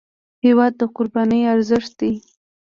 هېواد د قربانۍ ارزښت دی.